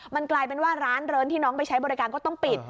มันกลายเป็นว่าร้านเริงที่น้องไปใช้บริการก็ต้องปิด